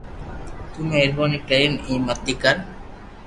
تو مھربوني ڪرن ايم متي ڪر